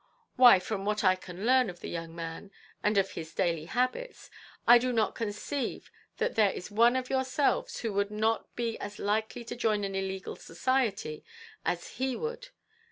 Why, from what I can learn of the young man and of his daily habits, I do not conceive that there is one of yourselves who would not be as likely to join an illegal society as he would.